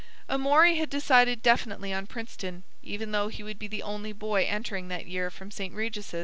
Amory had decided definitely on Princeton, even though he would be the only boy entering that year from St. Regis'.